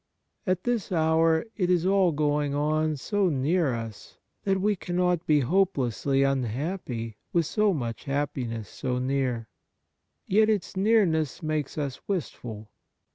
i\t this hour it is all going on so near us that w^e cannot be hopelessly unhappy with so much happi ness so near. Yet its nearness makes us wistful.